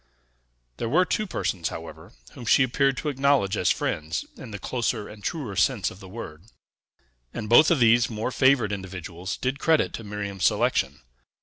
There were two persons, however, whom she appeared to acknowledge as friends in the closer and truer sense of the word; and both of these more favored individuals did credit to Miriam's selection.